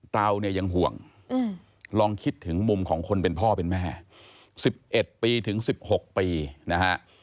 เราเนี่ยยังห่วงอืมลองคิดถึงมุมของคนเป็นพ่อเป็นแม่สิบเอ็ดปีถึงสิบหกปีนะฮะ